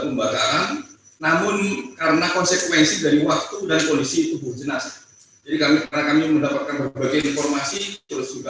pembakaran namun karena konsekuensi dari waktu dan kondisi tubuh jenazah jadi kami karena kami mendapatkan berbagai informasi terus juga